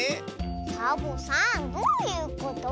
サボさんどういうこと？